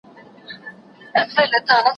یکي یوه "یا" غلطي هم نسته پکښي!.